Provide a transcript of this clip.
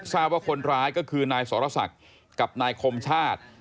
ทราบว่าคนร้ายก็คือนายสรศักดิ์กับนายคมชาติ